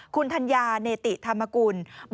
คุณธัญญาเนติธรรมกุล